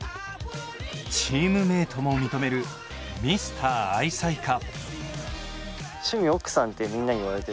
チームメートも認めるミスター愛妻家。